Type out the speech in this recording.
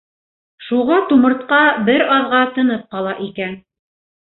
Шуға тумыртҡа бер аҙға тынып ҡала икән.